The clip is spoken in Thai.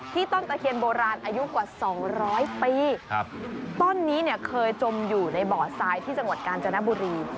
ต้นตะเคียนโบราณอายุกว่า๒๐๐ปีต้นนี้เนี่ยเคยจมอยู่ในบ่อทรายที่จังหวัดกาญจนบุรี